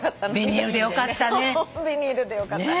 ビニールでよかったね。